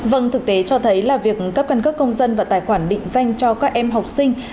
vâng thực tế cho thấy là việc cấp căn cấp công dân và tài khoản định danh cho các em học sinh